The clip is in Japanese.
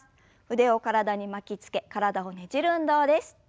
腕を体に巻きつけ体をねじる運動です。